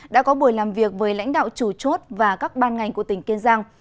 đã có buổi làm việc với lãnh đạo chủ chốt và các ban ngành của tỉnh kiên giang